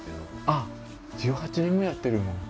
あっ１８年もやってるの。